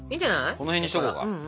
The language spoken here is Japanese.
この辺にしとこうか。